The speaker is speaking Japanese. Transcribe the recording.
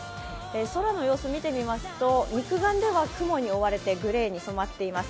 空の様子を見てみますと肉眼では雲に覆われてグレーに染まっています。